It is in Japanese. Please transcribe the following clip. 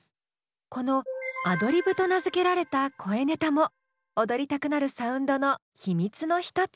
このアドリブと名付けられた声ネタも踊りたくなるサウンドの秘密の一つ。